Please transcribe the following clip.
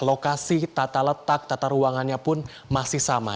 lokasi tata letak tata ruangannya pun masih sama